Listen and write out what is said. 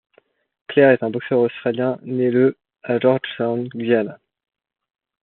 Clair est un boxeur australien né le à Georgetown, Guyana.